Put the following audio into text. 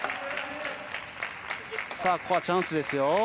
ここはチャンスですよ。